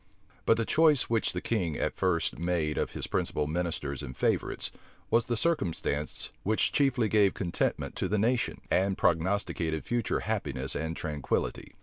But the choice which the king at first made of his principal ministers and favorites, was the circumstance which chiefly gave contentment to the nation, and prognosticated future happiness and tranquillity.